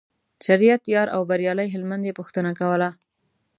شریعت یار او بریالي هلمند یې پوښتنه کوله.